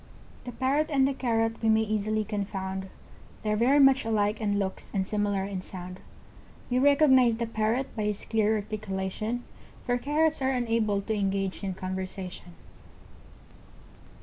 ] The Parrot and the Carrot we may easily confound, They're very much alike in looks and similar in sound, We recognize the Parrot by his clear articulation, For Carrots are unable to engage in conversation.